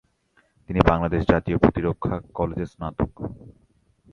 তিনি বাংলাদেশ জাতীয় প্রতিরক্ষা কলেজের স্নাতক।